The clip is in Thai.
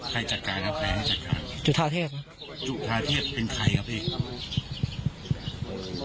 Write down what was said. ใครจัดการครับใครให้จัดการจุธาเทพครับจุธาเทพเป็นใครครับพี่